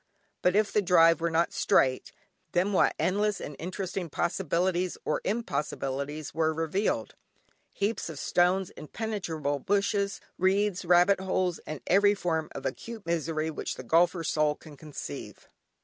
But if the drive were not straight, then what endless and interesting possibilities or impossibilities were revealed. Heaps of stones, inpenetrable bushes, reeds, rabbit holes, and every form of acute misery which the golfer's soul can conceive.